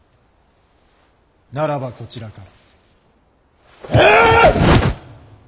ならばこちらから。